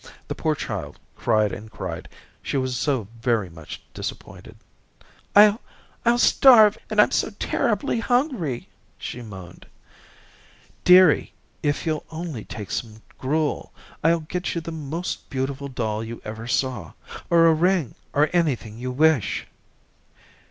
The poor child cried and cried, she was so very much disappointed. "I'll I'll starve, and I'm so terribly hungry," she moaned. "Dearie, if you'll only take some gruel, I'll get you the most beautiful doll you ever saw, or a ring, or anything you wish."